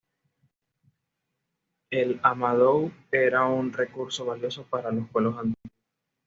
El Amadou era un recurso valioso para los pueblos antiguos.